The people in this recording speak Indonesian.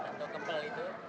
lentuk kemul itu kemul